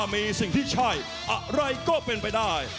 มีสิ่งที่ใช่อะไรก็เป็นไปได้